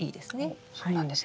おっそうなんですね。